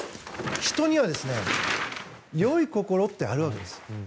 人にはよい心ってあるわけです。